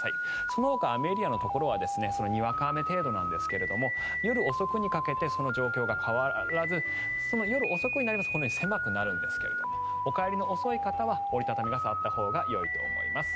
そのほか雨エリアのところはにわか雨程度なんですが夜遅くにかけてその状況が変わらず夜遅くになりますと狭くなるんですけどお帰りの遅い方は折り畳み傘があったほうがよいと思います。